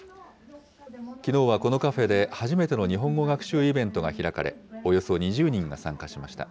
きのうは、このカフェで初めての日本語学習イベントが開かれ、およそ２０人が参加しました。